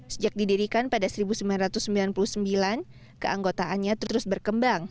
sejak didirikan pada seribu sembilan ratus sembilan puluh sembilan keanggotaannya terus berkembang